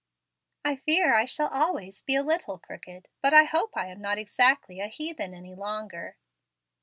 "I fear I shall always be a little crooked; but I hope I am not exactly a heathen any longer."